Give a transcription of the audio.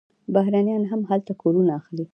بهرنیان هم هلته کورونه اخلي.